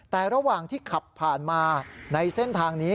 แต่ระหว่างที่ขับผ่านมาในเส้นทางนี้